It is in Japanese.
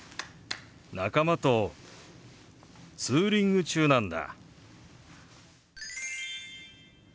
仲間とツーリング中なんだ。